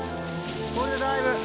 これでだいぶ。